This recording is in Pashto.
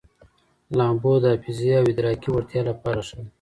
لامبو د حافظې او ادراکي وړتیا لپاره ښه ده.